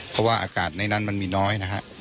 เพราะว่าอากาศในนั้นมันมีน้อยนะฮะ